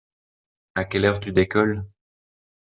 A quelle heure tu décolles?